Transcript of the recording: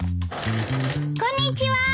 こんにちは。